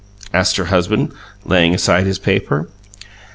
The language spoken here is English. asked her husband laying aside his paper.